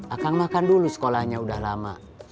akang makan dulu sekolahnya udah lama